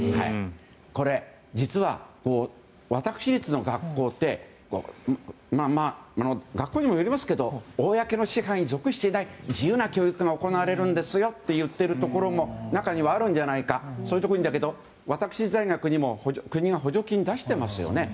これ、実は私立の学校って学校にもよりますけど公の支配に属していない自由な教育が行われるんですよと言っているところも中にはあるんじゃないかと思いますがそういう私立の大学にも国が補助金を出していますよね。